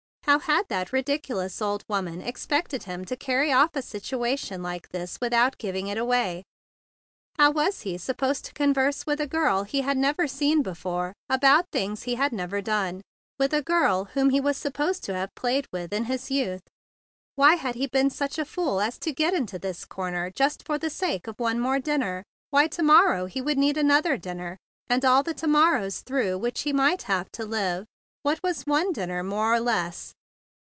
How had that ridiculous old woman ex¬ pected him to carry off a situation like this without giving it away? How was he supposed to converse with a girl he had never seen before, about things he had never done,—with a girl with whom he was supposed to have played in his youth? Why had he been such a fool as to get into this corner just for the sake of one more dinner? Why, to¬ morrow he would need another dinner, and all the to morrows through which he might have to live. What was one 48 THE BIG BLUE SOLDIER dinner more or less?